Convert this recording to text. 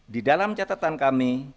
di dalam catatan kami